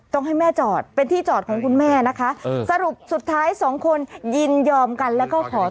ต้องให้แม่จอดเป็นที่จอดของคุณแม่นะคะสรุปสุดท้ายสองคนยินยอมกันแล้วก็ขอ